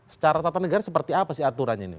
secara tata negara seperti apa sih aturannya ini